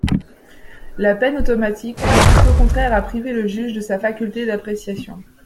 La peine automatique consiste au contraire à priver le juge de sa faculté d’appréciation.